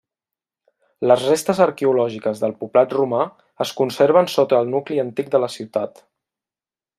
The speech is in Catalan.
Les restes arqueològiques del poblat romà es conserven sota el nucli antic de la ciutat.